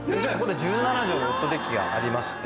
１７帖のウッドデッキがありまして。